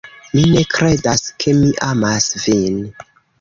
Mi ne kredas ke mi amas vin.